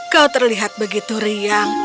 kau terlihat begitu riang